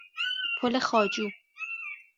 پل خواجو